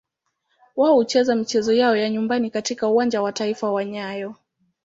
Wao hucheza michezo yao ya nyumbani katika Uwanja wa Taifa wa nyayo.